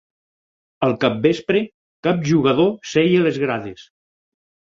Al capvespre, cap jugador seia a les grades.